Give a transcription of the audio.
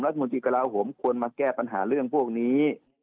รัฐมนตรีกระลาโหมควรมาแก้ปัญหาเรื่องพวกนี้